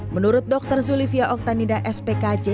menurut dokter zulivia oktanida spkj